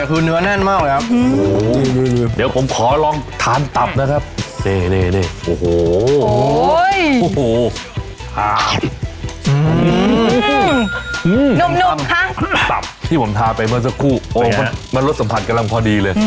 หนุ่มคะตับที่ผมทาไปเมื่อสักครู่มันรสสัมผัสกำลังพอดีเลย